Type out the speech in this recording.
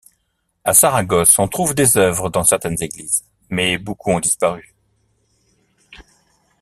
À Saragosse, on trouve des œuvres dans certaines églises, mais beaucoup ont disparu.